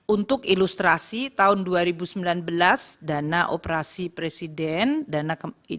untuk ilustrasi tahun dua ribu sembilan belas dana operasi presiden dana